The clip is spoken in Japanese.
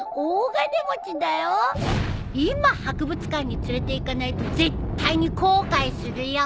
今博物館に連れていかないと絶対に後悔するよ。